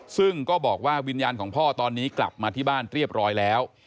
ซึ่งก็บอกว่าวิญญาณของพ่อตอนนี้กลับมาที่บ้านเรียบร้อยแล้ว